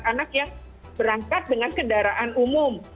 anak yang berangkat dengan kendaraan umum